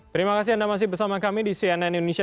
terima kasih anda masih bersama kami di cnn indonesia